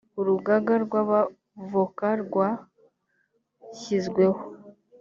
urugaga rw abavoka rwa shyizweho